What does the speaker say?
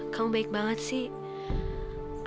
kamu baik banget sih